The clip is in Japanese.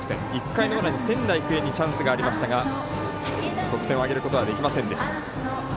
１回の裏に仙台育英がチャンスがありましたが得点を挙げることはできませんでした。